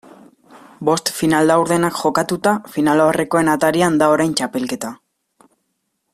Bost final laurdenak jokatuta, finalaurrekoen atarian da orain txapelketa.